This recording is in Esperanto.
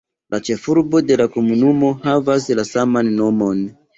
La ĉefurbo de la komunumo havas la saman nomon.